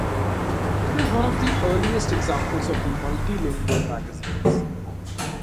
It is one of the earliest examples of the multilingual magazines.